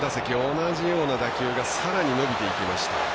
同じような打球がさらに伸びていきました。